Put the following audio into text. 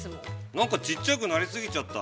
◆なんか、ちっちゃくなりすぎちゃった。